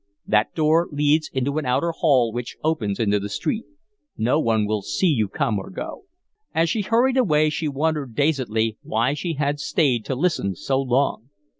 That door leads into an outer hall which opens into the street. No one will see you come or go." As she hurried away she wondered dazedly why she had stayed to listen so long.